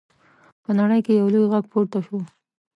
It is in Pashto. په نړۍ کې یې لوی غږ پورته شو.